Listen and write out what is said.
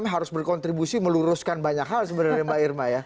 harus berkontribusi meluruskan banyak hal sebenarnya mbak irma ya